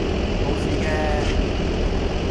無事嘅